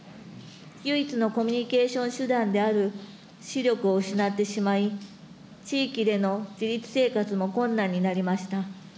唯一のコミュニケーション手段である視力を失ってしまい、地域での自立生活も困難になりました。